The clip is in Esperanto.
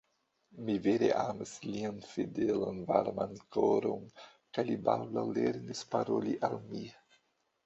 Mi vere amis lian fidelan varman koron, kaj li baldaŭ lernis paroli al mi.